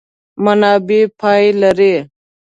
منابع پای لري.